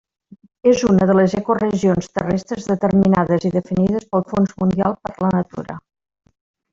És una de les ecoregions terrestres determinades i definides pel Fons Mundial per la Natura.